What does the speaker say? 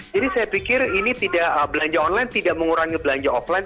jadi saya pikir ini belanja online tidak mengurangi belanja offline